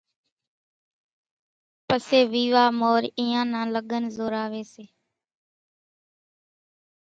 پسيَ ويوا مورِ اينيان نان لڳنَ زوراويَ سي۔